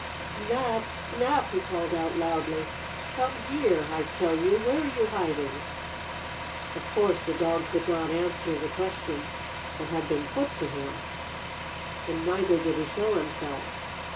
"Snap! Snap!" he called out loudly. "Come here, I tell you! Where are you hiding?" Of course, the dog could not answer the question that had been put to him, and neither did he show himself.